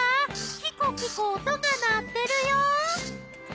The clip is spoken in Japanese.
キコキコ音が鳴ってるよ！